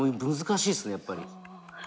難しいですねやっぱり。